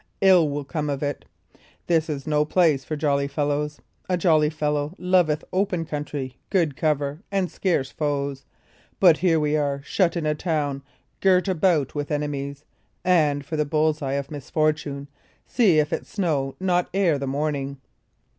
Ill will come of it. This is no place for jolly fellows. A jolly fellow loveth open country, good cover, and scarce foes; but here we are shut in a town, girt about with enemies; and, for the bull's eye of misfortune, see if it snow not ere the morning."